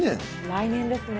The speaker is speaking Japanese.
来年ですね。